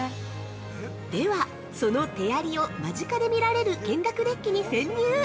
では、その「手やり」を間近で見れる見学デッキに潜入！